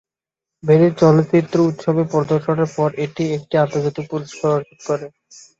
Venice চলচ্চিত্র উৎসবে প্রদর্শনের পর এটি একটি আন্তর্জাতিক পুরস্কার অর্জন করে।